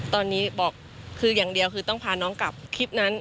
ตอนนี้บอกคืออย่างเดียวคือต้องพาน้องกลับคลิปนั้น